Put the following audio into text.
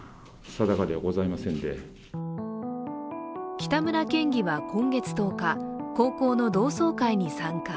北村県議は今月１０日、高校の同窓会に参加。